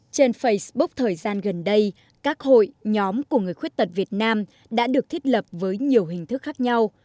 trên facebook thời gian gần đây các hội nhóm của người khuyết tật việt nam đã được thiết lập với nhiều hình thức khác nhau